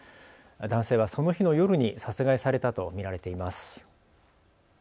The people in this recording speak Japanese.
男性はその日の夜に殺害されたと見られています。